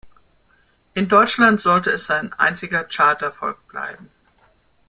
In Deutschland sollte es sein einziger Charterfolg bleiben.